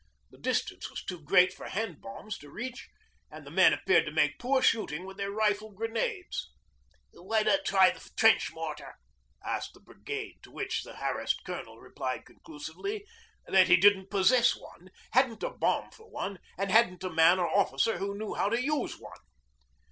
The distance was too great for hand bombs to reach, and the men appeared to make poor shooting with the rifle grenades. 'Why not try the trench mortar?' asked the Brigade; to which the harassed Colonel replied conclusively because he didn't possess one, hadn't a bomb for one, and hadn't a man or officer who knew how to use one.